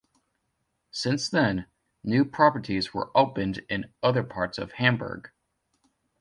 Since then, new properties were opened in other parts of Hamburg.